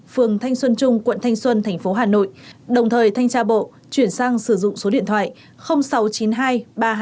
phường thanh xuân trung quận thanh xuân thành phố hà nội đồng thời thanh tra bộ chuyển sang sử dụng số điện thoại sáu trăm chín mươi hai ba trăm hai mươi sáu năm trăm năm mươi năm